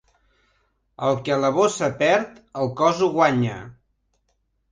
El que la bossa perd, el cos ho guanya.